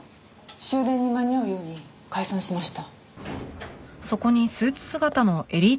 終電に間に合うように解散しました。